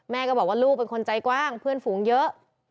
ก็บอกว่าลูกเป็นคนใจกว้างเพื่อนฝูงเยอะ